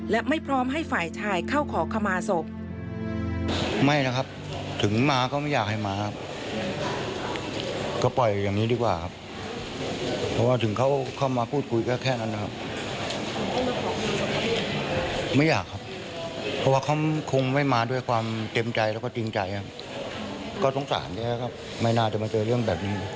และไม่พร้อมให้ฝ่ายชายเข้าขอขมาศพ